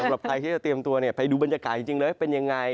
สำหรับใครที่จะเตรียมตัวเนี่ยไปดูบรรยากาศจริงเลยเป็นยังไง